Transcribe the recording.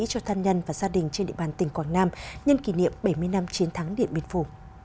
cho thân nhân và gia đình trên địa bàn tỉnh quảng nam nhân kỷ niệm bảy mươi năm chiến thắng điện biên phủ